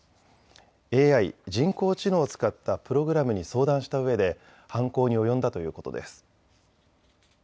ＡＩ・人工知能を使ったプログラムに相談したうえで犯行に及んだということです。